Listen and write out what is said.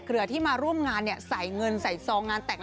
เรือที่มาร่วมงานใส่เงินใส่ซองงานแต่ง